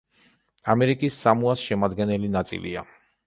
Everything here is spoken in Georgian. ამერიკის სამოას შემადგენელი ნაწილია.